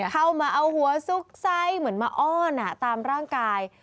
เข้ามาเอาหัวซุกไส้เหมือนมาอ้อนตามร่างกาย